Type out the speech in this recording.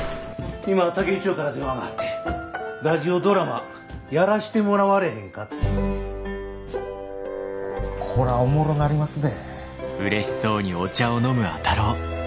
今竹井千代から電話があってラジオドラマやらしてもらわれへんかて。こらおもろなりますね。